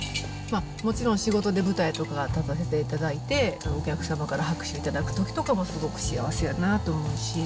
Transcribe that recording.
もちろん仕事で舞台とか立たせていただいて、お客様から拍手頂くときとかもすごく幸せやなと思うし。